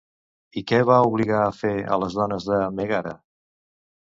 I què va obligar a fer a les dones de Mègara?